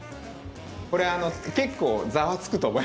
これあの結構ザワつくと思います。